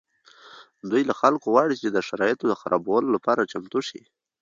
دوی له خلکو غواړي چې د شرایطو د خرابولو لپاره چمتو شي